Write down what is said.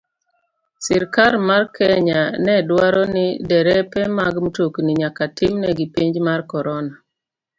Sirkal mar Kenya ne dwaro ni derepe mag mtokni nyaka timnegi penj mar corona